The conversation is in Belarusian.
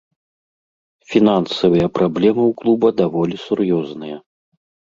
Фінансавыя праблемы ў клуба даволі сур'ёзныя.